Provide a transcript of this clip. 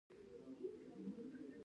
زه پوره دوه اونۍ په شوک کې پاتې شوم